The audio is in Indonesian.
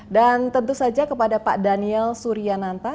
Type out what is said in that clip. dan tentu saja kepada pak daniel suryananta